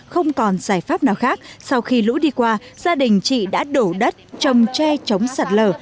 không còn giải pháp nào khác sau khi lũ đi qua gia đình chị đã đổ đất trồng tre chống sạt lở